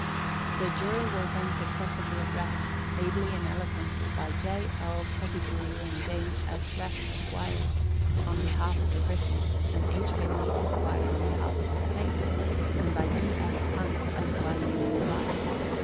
The jury were then successively addressed, ably and eloquently, by J. L. Petigru and James S. Rhett, Esqrs., on behalf of the prisoner, and H. Bailey, Esq., on behalf of the state, and by B. F. Hunt, Esq., in reply.